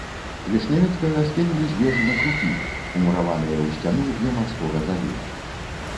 Вішнявецкага скінулі з вежы на крукі, умураваныя ў сцяну ля марскога заліва.